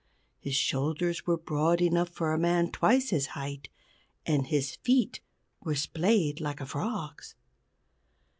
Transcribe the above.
His shoulders were broad enough for a man twice his height, and his feet were splayed like a frog's.